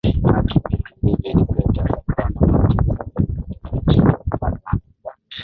Punk Imany David Guetta Soprano Martin Solveig kutoka nchini uFransa